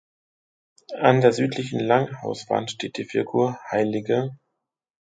An der südlichen Langhauswand steht die Figur hl.